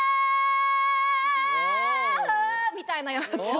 オみたいなやつを。